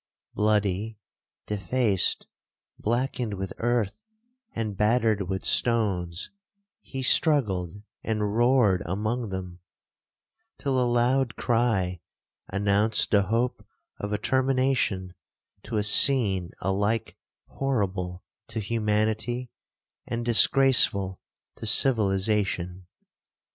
Bloody, defaced, blackened with earth, and battered with stones, he struggled and roared among them, till a loud cry announced the hope of a termination to a scene alike horrible to humanity, and disgraceful to civilization.